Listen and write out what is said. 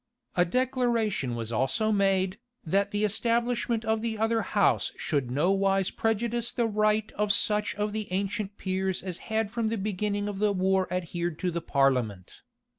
A declaration was also made, that the establishment of the other house should nowise prejudice the right of such of the ancient peers as had from the beginning of the war adhered to the parliament.